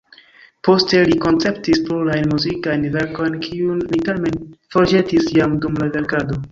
Poste li konceptis plurajn muzikajn verkojn, kiujn li tamen forĵetis jam dum la verkado.